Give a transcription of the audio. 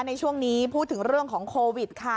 ในช่วงนี้พูดถึงเรื่องของโควิดค่ะ